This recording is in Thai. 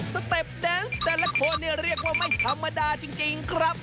สเต็ปแดนส์แต่ละคนเนี่ยเรียกว่าไม่ธรรมดาจริงครับ